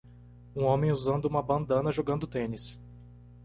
Um homem usando uma bandana jogando tênis.